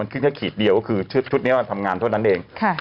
มันขึ้นแค่ขีดเดียวคือชุดนี้ทำงานเท่านั้นเอง